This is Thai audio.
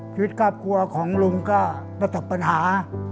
ชีวิตครอบครัวของลุงก็มีปัญหาไม่มีอะไรได้